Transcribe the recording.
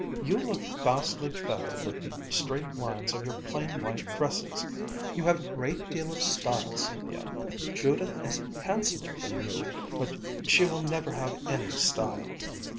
"You look vastly better with the straight lines of your plain white dresses. You have a great deal of style, Sylvia. Judith is handsomer than you, but she will never have any style."